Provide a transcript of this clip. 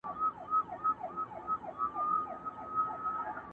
ما چي ګولیو ته سینه سپرول!.